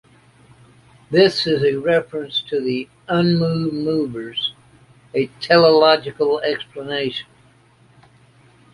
This is a reference to the "unmoved movers", a teleological explanation.